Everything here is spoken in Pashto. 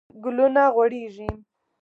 ګلونه غوړیږي